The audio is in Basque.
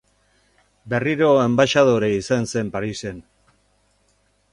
Berriro enbaxadore izan zen Parisen.